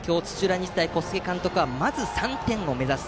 日大の小菅監督はまず３点を目指す。